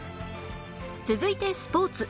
続いてスポーツ